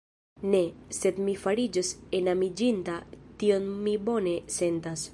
Ne, sed mi fariĝos enamiĝinta; tion mi bone sentas.